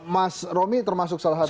mas romi termasuk salah satu